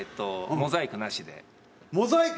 モザイクなし？